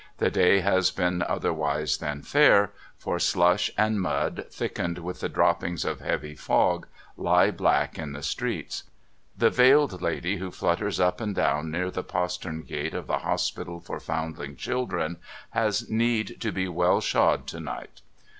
The day has been otherwise than fair, for slush and mud, thickened with the droppings of heavy fog, lie black in the streets. The veiled lady who flutters up and down near the postern gate of the Hospital for Foundling Children has need to be well shod to night.